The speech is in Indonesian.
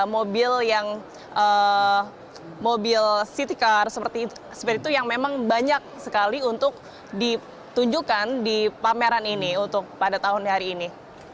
mobil yang mobil city car seperti itu yang memang banyak sekali untuk ditunjukkan di pameran ini pada tahun hari ini